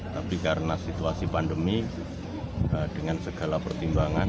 tapi karena situasi pandemi dengan segala pertimbangan